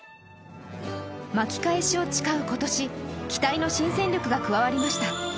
巻き返しを誓う今年、期待の新戦力が加わりました。